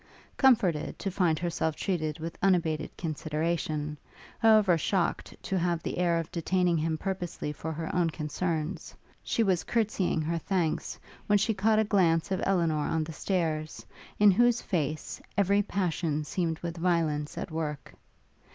Comforted to find herself treated with unabated consideration, however shocked to have the air of detaining him purposely for her own concerns, she was courtsying her thanks, when she caught a glance of Elinor on the stairs, in whose face, every passion seemed with violence at work.